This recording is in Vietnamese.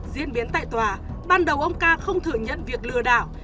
diễn biến tại tòa ban đầu ông ca không thừa nhận việc lừa đảo